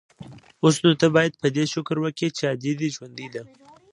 اوس نو ته بايد په دې شکر وکې چې ادې دې ژوندۍ ده.